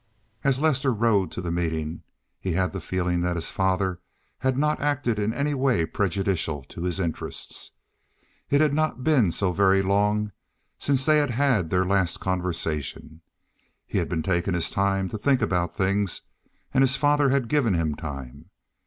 As Lester rode to the meeting he had the feeling that his father had not acted in any way prejudicial to his interests. It had not been so very long since they had had their last conversation; he had been taking his time to think about things, and his father had given him time.